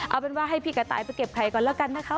เอาเป็นว่าให้พี่กระต่ายไปเก็บไข่ก่อนแล้วกันนะคะ